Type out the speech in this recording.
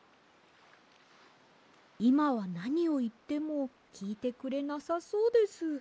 いまはなにをいってもきいてくれなさそうです。